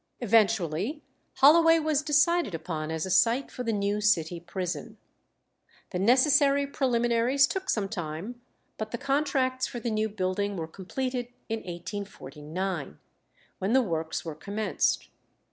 Eventually Holloway was decided upon as a site for the new city prison. The necessary preliminaries took some time, but the contracts for the new building were completed in 1849, when the works were commenced.